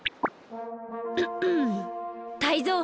タイゾウ！